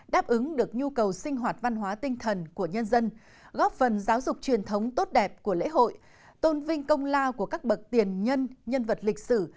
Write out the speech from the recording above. đáp ứng được nhu cầu sinh hoạt văn hóa tinh thần của nhân dân góp phần giáo dục truyền thống tốt đẹp của lễ hội tôn vinh công lao của các bậc tiền nhân nhân vật lịch sử